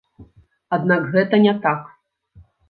Аднак гэта не так.